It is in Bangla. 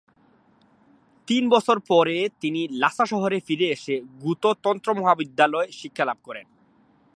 তিন বছর পরে তিনি লাসা শহরে ফিরে এসে গ্যুতো তন্ত্র মহাবিদ্যালয়ে শিক্ষালাভ করেন।